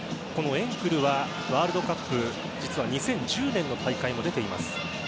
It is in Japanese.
エンクルはワールドカップ実は２０１０年の大会も出ています。